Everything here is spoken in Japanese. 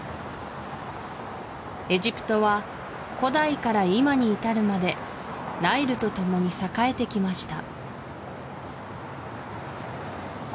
エジプトは古代から今にいたるまでナイルとともに栄えてきました